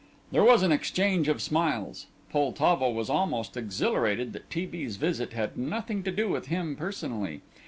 There was an exchange of smiles. Poltavo was almost exhilarated that T. B.'s visit had nothing to do with him personally.